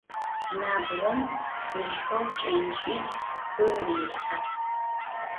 Nabğom fıjxeu ç'enç'itf - xı rêlhhe.